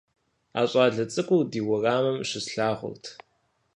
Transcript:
А щӀалэ цӀыкӀур ди уэрамым щыслъагъурт.